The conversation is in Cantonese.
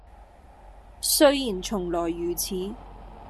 雖然從來如此，